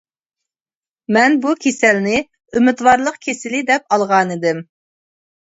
مەن بۇ كېسەلنى ئۈمىدۋارلىق كېسىلى دەپ ئالغانىدىم.